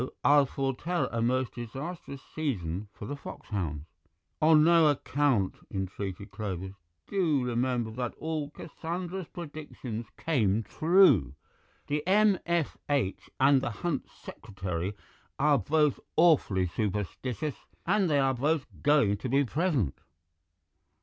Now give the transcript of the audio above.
I'll foretell a most disastrous season for the foxhounds." "On no account," entreated Clovis; "do remember that all Cassandra's predictions came true. The M.F.H. and the Hunt Secretary are both awfully superstitious, and they are both going to be present."